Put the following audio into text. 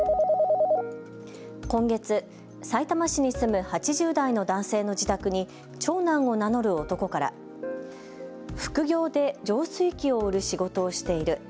今月、さいたま市に住む８０代の男性の自宅に長男を名乗る男から副業で浄水器を売る仕事をしている。